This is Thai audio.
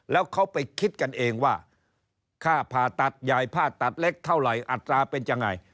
แล้วเขาไปคิดกันเองว่าค่าผ่าตัดใหญ่ผ่าตัดเล็กเท่าไหร่อัตราเป็นยังไง